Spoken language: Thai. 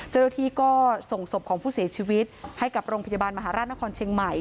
เจ้าหน้าที่ก็ส่งศพของผู้เสียชีวิตให้กับโรงพยาบาลมหาราชนครเชียงใหม่